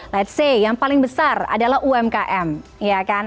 let s say yang paling besar adalah umkm iya kan